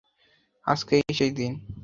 আজকেই সেই দিন!